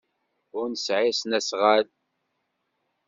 Ur nesɛi asnasɣal.